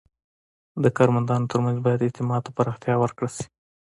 د کارمندانو ترمنځ باید اعتماد ته پراختیا ورکړل شي.